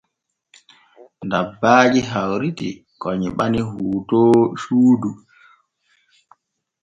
Dabbaaji hawritii ko nyiɓani hootoor suudu.